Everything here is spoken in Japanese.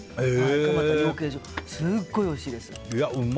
鎌田養鶏、すごいおいしいです。